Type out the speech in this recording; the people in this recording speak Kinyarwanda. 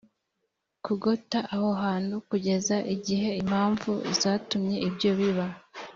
kugota aho hantu kugeza igihe impamvu zatumye ibyo biba